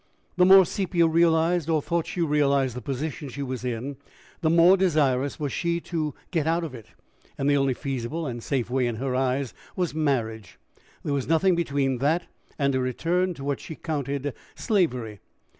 The more Sepia realized, or thought she realized, the position she was in, the more desirous was she to get out of it, and the only feasible and safe way, in her eyes, was marriage: there was nothing between that and a return to what she counted slavery.